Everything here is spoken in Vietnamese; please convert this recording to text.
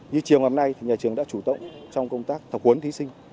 như chiều hôm nay nhà trường đã chủ động trong công tác tập huấn thí sinh